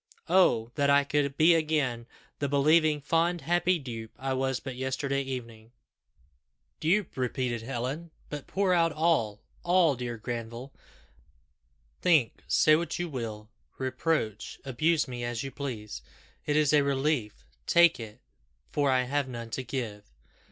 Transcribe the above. Oh! that I could be again the believing, fond, happy dupe I was but yesterday evening!" "Dupe!" repeated Helen. "But pour out all all, dear Granville. Think say what you will reproach abuse me as you please. It is a relief take it for I have none to give."